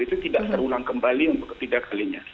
itu tidak terulang kembali untuk ketidakselinya